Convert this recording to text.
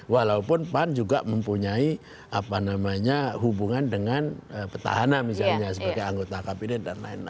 walaupun pan juga mempunyai hubungan dengan petahana misalnya sebagai anggota kpk